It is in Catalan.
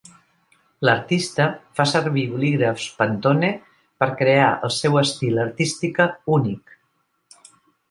L'artista fa servir bolígrafs Pantone per crear el seu estil artística únic.